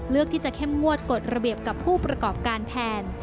ที่จะเข้มงวดกฎระเบียบกับผู้ประกอบการแทน